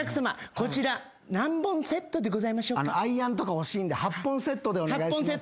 アイアンとか欲しいんで８本セットでお願いします。